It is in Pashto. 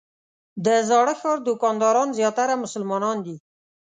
د زاړه ښار دوکانداران زیاتره مسلمانان دي.